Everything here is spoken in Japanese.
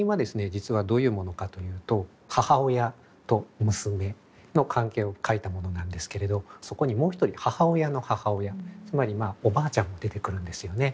実はどういうものかというと母親と娘の関係を書いたものなんですけれどそこにもう一人母親の母親つまりおばあちゃんも出てくるんですよね。